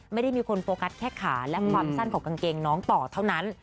ไม่ได้มีคนโฟกัสแค่ขาและความสั้นของกางเกงน้องต่อเท่านั้น